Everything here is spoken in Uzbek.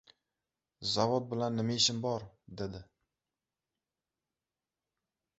"Zavod bilan nima ishim bor! — dedi.